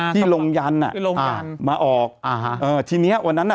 พี่ลงยันทร์อ่ะพี่ลงยันทร์อ่ามาออกอ่าฮะเออทีเนี้ยวันนั้นอ่ะ